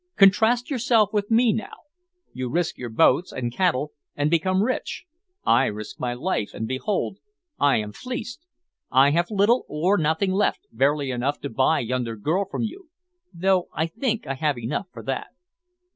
Contrast yourself with me, now. You risk your boats and cattle, and become rich. I risk my life, and behold! I am fleeced. I have little or nothing left, barely enough to buy yonder girl from you though I think I have enough for that."